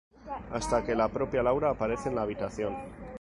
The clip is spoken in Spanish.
Hasta que la propia Laura aparece en la habitación.